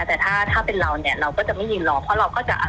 แต่ถ้าถ้าเป็นเราเนี่ยเราก็จะไม่ยืนรอเพราะเราก็จะ